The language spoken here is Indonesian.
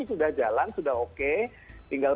sudah jalan sudah oke tinggal